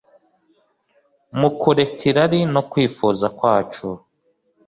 mu kureka irari no kwifuza kwacu